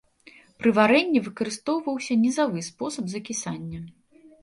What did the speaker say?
Пры варэнні выкарыстоўваўся нізавы спосаб закісання.